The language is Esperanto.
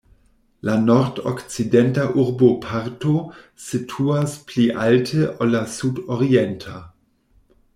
La nordokcidenta urboparto situas pli alte ol la sudorienta.